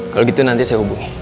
kalau gitu nanti saya hubungi